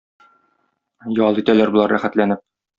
Ял итәләр болар, рәхәтләнеп.